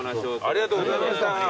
ありがとうございます。